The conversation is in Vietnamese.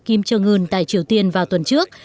kim trương ngân tại triều tiên vào tuần trước